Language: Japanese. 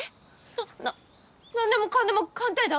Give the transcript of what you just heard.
なななんでもかんでも鑑定団！？